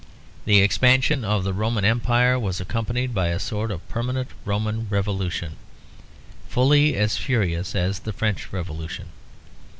The expansion of the Roman Empire was accompanied by a sort of permanent Roman Revolution, fully as furious as the French Revolution.